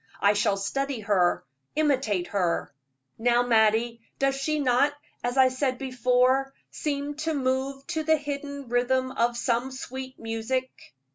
I shall study her, imitate her. Now, Mattie, does she not, as I said before, seem to move to the hidden rhythm of some sweet music?"